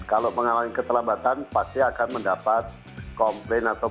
kalau mengalami ketelambatan pasti akan mendapat komplain atau barang